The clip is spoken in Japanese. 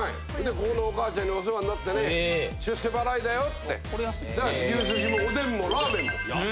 ここのお母ちゃんにお世話になってね出世払いだよって牛すじもおでんもらーめんも。